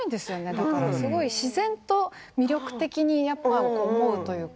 だから自然と魅力的に思うというか。